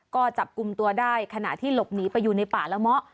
ก็จับกลุ่มตัวได้ขณะที่หลบหนีไปอยู่ในป่าละเมาะ